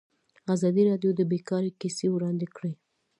ازادي راډیو د بیکاري کیسې وړاندې کړي.